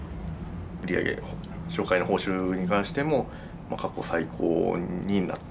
売り上げ紹介の報酬に関しても過去最高になっておりますね。